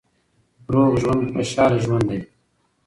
روغ ژوند خوشاله ژوند دی.